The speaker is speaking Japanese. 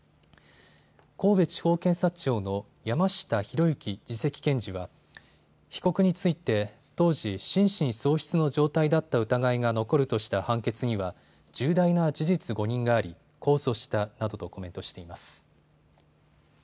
神戸地方検察庁の山下裕之次席検事は被告について当時、心神喪失の状態だった疑いが残るとした判決には重大な事実誤認があり、控訴したなどとコメントしています。